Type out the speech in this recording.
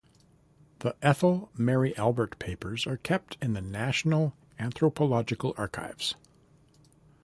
The Ethel Mary Albert Papers are kept at the National Anthropological Archives.